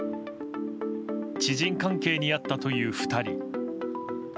知人関係にあったという２人。